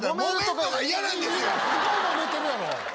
今すごいモメてるやろ！